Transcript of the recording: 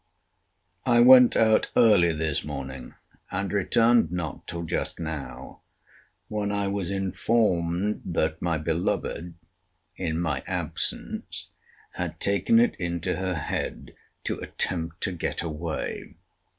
I went out early this morning, and returned not till just now; when I was informed that my beloved, in my absence, had taken it into her head to attempt to get away.